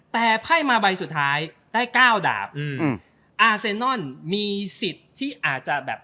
แต่ไพ่มาใบสุดท้ายได้เก้าดาบอืมอาเซนอนมีสิทธิ์ที่อาจจะแบบ